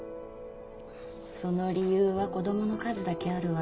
その理由は子供の数だけあるわ。